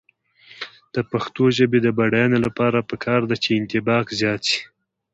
د پښتو ژبې د بډاینې لپاره پکار ده چې انطباق زیات شي.